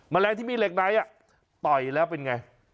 แรงที่มีเหล็กไนท์ต่อยแล้วเป็นไง